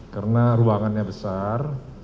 karena ruangannya besar